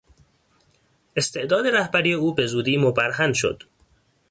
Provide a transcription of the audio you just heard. استعداد رهبری او به زودی مبرهن شد.